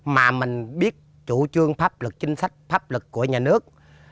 mà mình biết chủ trương pháp luật chính sách pháp luật của nhà nước